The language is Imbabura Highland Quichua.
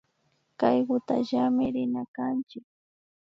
Kaykutallami rina kanchik